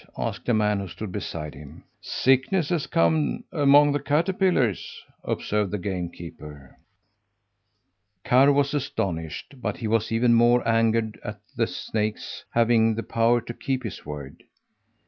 asked a man who stood beside him. "Sickness has come among the caterpillars," observed the game keeper. Karr was astonished, but he was even more angered at the snake's having the power to keep his word.